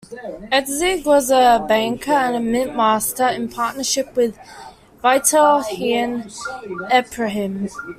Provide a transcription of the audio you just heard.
Itzig was a banker and a mintmaster in partnership with Veitel-Heine Ephraim.